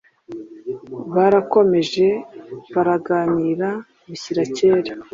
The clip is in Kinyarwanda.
Barakomeje baraganira bishyira kera